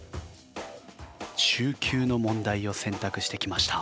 中級の問題を選択してきました。